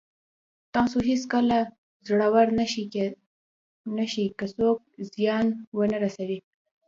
تاسو هېڅکله زړور نه شئ که څوک زیان ونه رسوي.